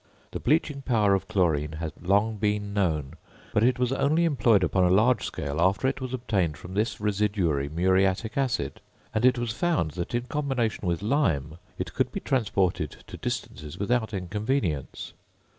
The bleaching power of chlorine has long been known; but it was only employed upon a large scale after it was obtained from this residuary muriatic acid, and it was found that in combination with lime it could be transported to distances without inconvenience.